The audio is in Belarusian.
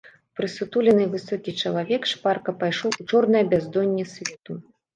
Прысутулены і высокі чалавек шпарка пайшоў у чорнае бяздонне свету.